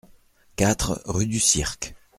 quatre rue du Cirque